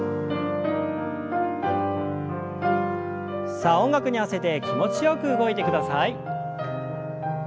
さあ音楽に合わせて気持ちよく動いてください。